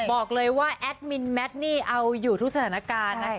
บอกเลยว่าแอดมินแมทนี่เอาอยู่ทุกสถานการณ์นะคะ